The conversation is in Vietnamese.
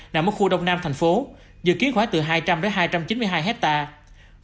nằm ở khu đông nam thành phố dự kiến khoảng từ hai trăm linh đến hai trăm chín mươi hai hectare